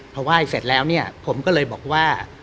พอไหว้เสร็จแล้วเนี่ยผมก็เลยบอกว่า